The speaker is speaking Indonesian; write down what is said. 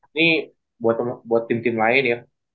ini buat tim tim lain ya